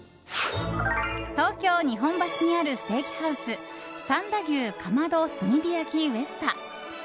東京・日本橋にあるステーキハウス三田牛竈炭火焼ウェスタ。